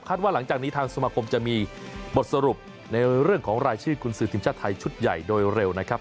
ว่าหลังจากนี้ทางสมาคมจะมีบทสรุปในเรื่องของรายชื่อกุญสือทีมชาติไทยชุดใหญ่โดยเร็วนะครับ